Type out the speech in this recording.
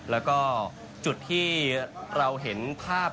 แล้วก็จุดที่เราเห็นภาพ